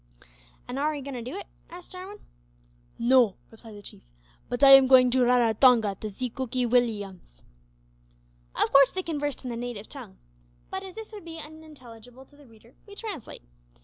"And are 'ee goin' to do it?" asked Jarwin. "No," replied the Chief, "but I am going to Raratonga to see Cookee Williams." Of course they conversed in the native tongue, but as this would be unintelligible to the reader, we translate.